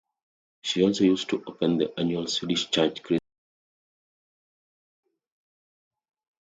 She also used to open the annual Swedish Church Christmas Bazaar in London.